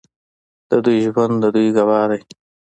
د دوی ژوند د دوی ګواه دی.